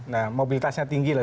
nah mobilitasnya tinggi lah